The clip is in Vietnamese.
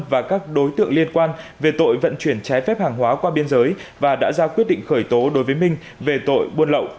và các đối tượng liên quan về tội vận chuyển trái phép hàng hóa qua biên giới và đã ra quyết định khởi tố đối với minh về tội buôn lậu